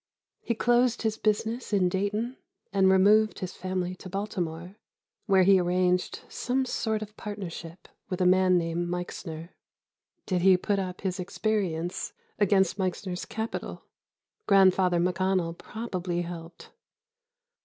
He closed his business in Dayton and removed his family to Baltimore, where he arranged some sort of partnership with a man named Meixner. Did he put up his experience against Meixner's capital? Grandfather McConnell probably helped.